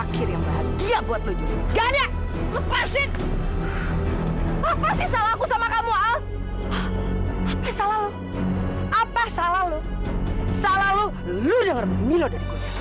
sampai jumpa di video selanjutnya